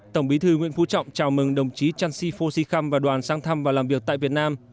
tổng bí thư nguyễn phú trọng chào mừng đồng chí chan si phô si khăm và đoàn sang thăm và làm việc tại việt nam